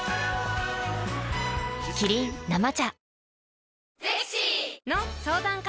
キリン「生茶」